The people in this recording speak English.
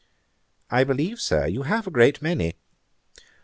'I believe, Sir, you have a great many.